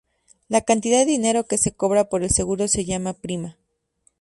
La cantidad de dinero que se cobra por el seguro se llama prima.